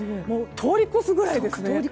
通り越すぐらいですね。